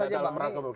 singkat saja bang